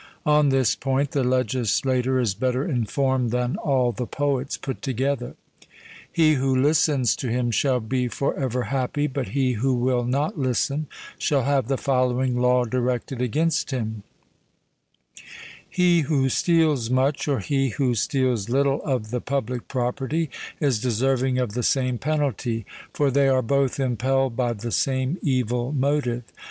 On this point the legislator is better informed than all the poets put together. He who listens to him shall be for ever happy, but he who will not listen shall have the following law directed against him: He who steals much, or he who steals little of the public property is deserving of the same penalty; for they are both impelled by the same evil motive.